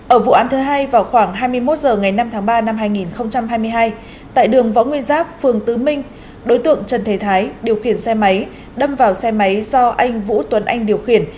ở vụ án thứ hai vào khoảng hai mươi một h ngày năm tháng ba năm hai nghìn hai mươi hai tại đường võ nguyên giáp phường tứ minh đối tượng trần thế thái điều khiển xe máy đâm vào xe máy do anh vũ tuấn anh điều khiển